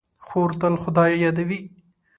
خور تل خدای یادوي.